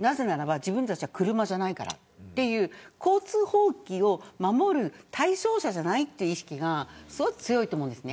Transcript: なぜならば自分たちは車じゃないからという交通法規を守る対象者じゃないという意識が強いと思うんですね。